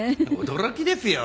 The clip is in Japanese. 驚きですよ。